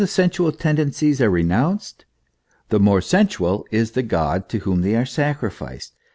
sensual tendencies are renounced, the more sensual is the God to whom they are sacrificed.